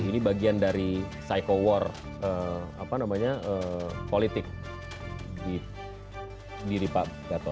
ini bagian dari psycho war politik sendiri pak gatot